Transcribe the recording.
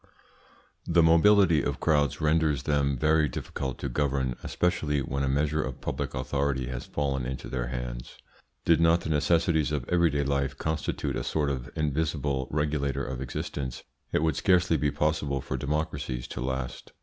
This mobility of crowds renders them very difficult to govern, especially when a measure of public authority has fallen into their hands. Did not the necessities of everyday life constitute a sort of invisible regulator of existence, it would scarcely be possible for democracies to last.